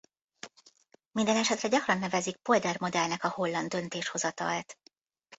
Mindenesetre gyakran nevezik polder-modellnek a holland döntéshozatalt.